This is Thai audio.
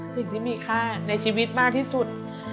สิ่งที่มีค่าในชีวิตมากที่สุด